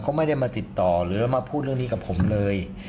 ก็ไม่ได้มาติดต่อหรือมาพูดเรื่องนี้กับผมเลย